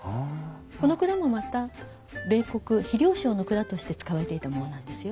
この蔵もまた米穀肥料商の蔵として使われていたものなんですよ。